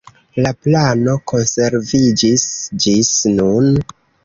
La plano konserviĝis ĝis nun.